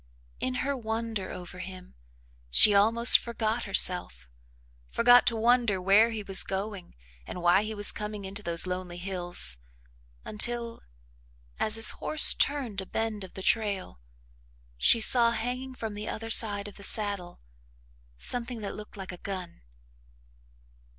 In her wonder over him, she almost forgot herself, forgot to wonder where he was going and why he was coming into those lonely hills until, as his horse turned a bend of the trail, she saw hanging from the other side of the saddle something that looked like a gun.